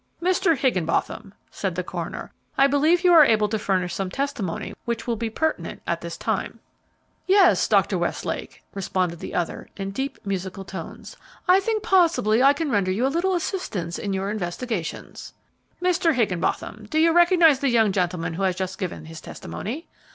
"Mr. Higgenbotham," said the coroner, "I believe you are able to furnish some testimony which will be pertinent at this time." "Yes, Dr. Westlake," responded the other, in deep, musical tones, "I think possibly I can render you a little assistance in your investigations." "Mr. Higgenbotham, do you recognize the young gentleman who has just given his testimony?"